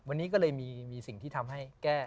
วันนี้ก็เลยมีสิ่งที่ทำให้แก้